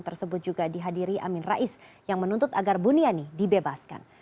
tersebut juga dihadiri amin rais yang menuntut agar buniani dibebaskan